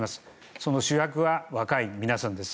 その主役は若い皆さんです。